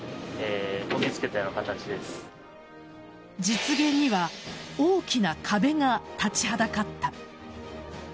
実現には大きな壁が立ちはだかった。